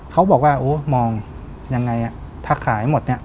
เขาบอกว่ามองยังไงถ้าขายหมด